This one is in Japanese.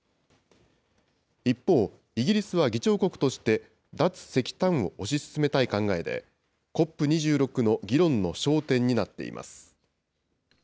一方、イギリスは議長国として、脱石炭を推し進めたい考えで、ＣＯＰ２６の議論の焦点になっています。